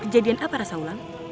kejadian apa rasa ulang